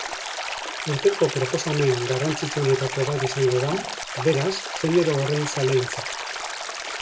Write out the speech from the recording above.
Urteko proposamen garrantzitsuenetako bat izango da, beraz, genero horren zaleentzat.